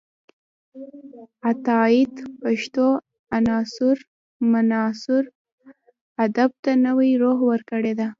عطاييد پښتو معاصر ادب ته نوې روح ورکړې ده.